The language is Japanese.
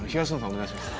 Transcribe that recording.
お願いします。